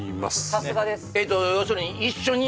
さすがです